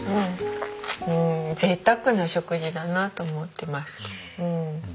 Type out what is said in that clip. うん贅沢な食事だなと思ってます。